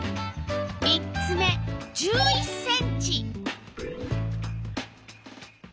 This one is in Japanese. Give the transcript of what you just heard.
３つ目１１ｃｍ。